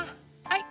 はい。